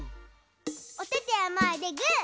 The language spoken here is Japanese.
おててはまえでグー！